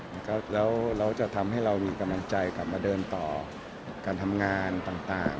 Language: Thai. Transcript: แล้วเราจะทำให้เรามีกำลังใจกลับมาเดินต่อการทำงานต่าง